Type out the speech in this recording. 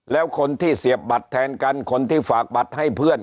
แล้วคนที่เสียบบัตรแทนกันคนที่ฝากบัตรให้เพื่อน